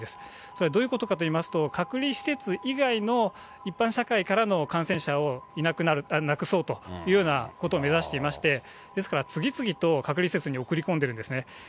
それどういうことかといいますと、隔離施設以外の一般社会からの感染者をいなくなる、なくそうというようなことを目指していまして、ですから、次々と隔離施設に送り込んでるんですね。